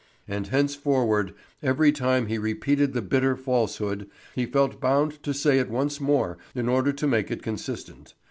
And henceforward, every time he repeated the bitter falsehood, he felt bound to say it once more in order to make it consistent.